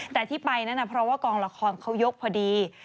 แต่ที่ไปนั้นเพราะว่ากองละครเขายกพอดี